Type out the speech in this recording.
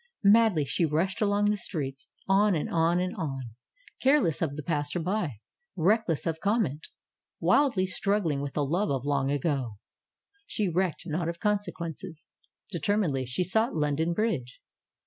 Madly she rushed along the streets, on and on, and on; careless of the passerby; reckless of comment; wildly struggling with the love of Long Ago. She recked not of consequences. Determinedly she sought London Bridge.